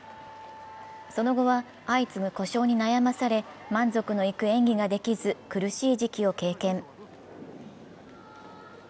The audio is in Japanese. その後は相次ぐ故障に悩まされ満足のいく演技ができず苦しい時期を経験。